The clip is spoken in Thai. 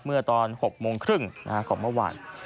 เมื่อตอน๖โมงครึ่งของเมื่อวาน